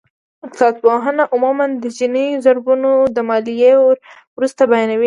اقتصادپوهان عموماً د جیني ضریبونه د ماليې وروسته بیانوي